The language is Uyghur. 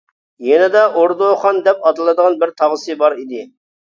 يېنىدا ئوردۇ خان دەپ ئاتىلىدىغان بىر تاغىسى بار ئىدى.